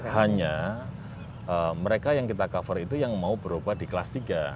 hanya mereka yang kita cover itu yang mau berubah di kelas tiga